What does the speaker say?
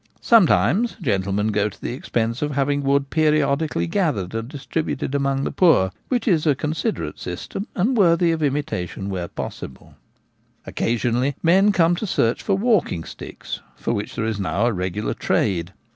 Sometimes gentlemen go to the expense of having wood periodically gathered and dis tributed among the poor, which is a considerate system and worthy of imitation where possible. Occasionally men come to search for walking sticks, for which there is now a regular trade.